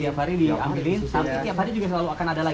tiap hari diambilin sampai tiap hari juga selalu akan ada lagi